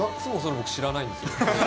僕、知らないんで。